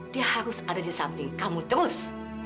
dia harus ada di samping kamu terus